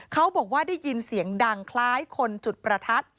เขาบอกว่าได้ยินเสียงดังคล้ายคนจุดประทัด